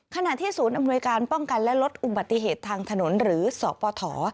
ขณะที่ศูนย์อำนวยการป้องกันและลดอุบัติเหตุทางถนนหรือสปฐ